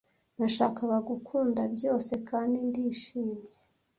nashakaga gukunda byose kandi ndishimye